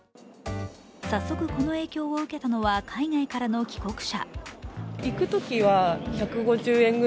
早速、この影響を受けたのは海外からの帰国者。